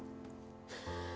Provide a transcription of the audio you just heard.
kalau itu siap